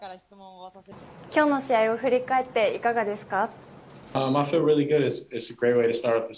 きょうの試合を振り返って、いかがですか？